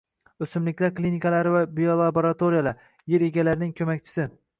O‘simliklar klinikalari va biolaboratoriyalar – yer egalarining ko‘makchisi